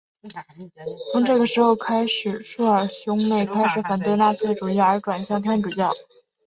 从这个时候开始朔尔兄妹开始反对纳粹主义而转向天主教。